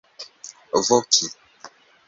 voki